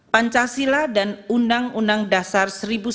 pancasila dan undang undang dasar seribu sembilan ratus empat puluh